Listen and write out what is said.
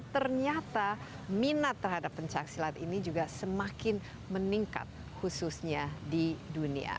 ternyata minat terhadap pencaksilat ini juga semakin meningkat khususnya di dunia